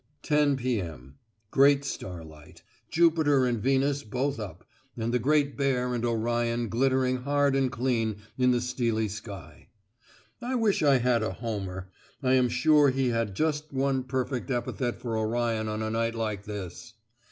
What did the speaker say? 10 p.m. Great starlight. Jupiter and Venus both up, and the Great Bear and Orion glittering hard and clean in the steely sky. I wish I had a Homer. I am sure he has just one perfect epithet for Orion on a night like this.